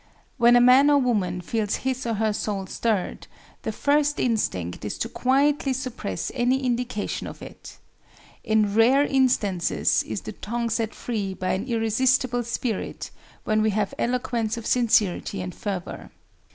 When a man or woman feels his or her soul stirred, the first instinct is to quietly suppress any indication of it. In rare instances is the tongue set free by an irresistible spirit, when we have eloquence of sincerity and fervor.